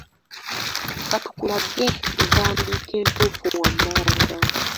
Ka tukulage empandiika entuufu wammanga.